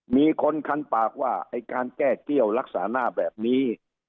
มีคนคันปากว่าไอ้การแก้เกี้ยวลักษณะหน้าแบบนี้